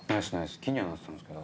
気にはなってたんですけど。